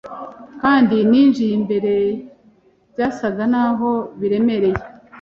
Kandi ninjiye imbere byasaga naho biremereye